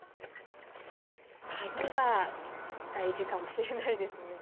鍵は大事かもしれないですね。